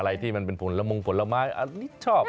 อะไรที่มันเป็นปุ่นละมงปุ่นละม้าอันนี้ชอบอร่อย